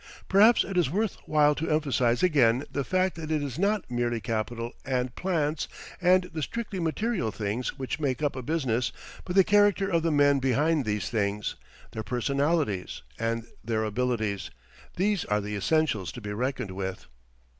Perhaps it is worth while to emphasize again the fact that it is not merely capital and "plants" and the strictly material things which make up a business, but the character of the men behind these things, their personalities, and their abilities; these are the essentials to be reckoned with.